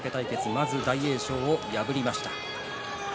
昨日は大栄翔を破りました。